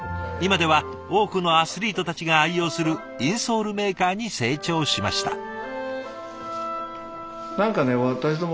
今では多くのアスリートたちが愛用するインソールメーカーに成長しました。